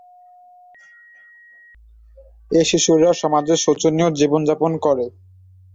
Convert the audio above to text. এ শিশুরা সমাজে শোচনীয় জীবনযাপন করে।